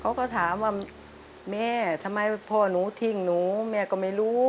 เขาก็ถามว่าแม่ทำไมพ่อหนูทิ้งหนูแม่ก็ไม่รู้